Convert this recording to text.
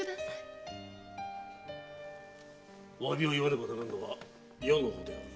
侘びを言わねばならぬのは余の方である。